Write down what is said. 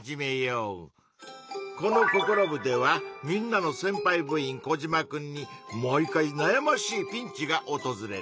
この「ココロ部！」ではみんなのせんぱい部員コジマくんに毎回なやましいピンチがおとずれる。